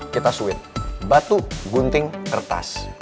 kita suit batu gunting kertas